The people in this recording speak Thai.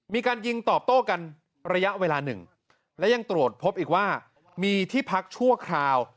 มีการยิงตอบโต้กันระยะเวลาหนึ่งและยังตรวจพบอีกว่ามีที่พักชั่วคราว